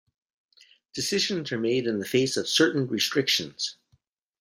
Decisions are made in the face of certain restrictions.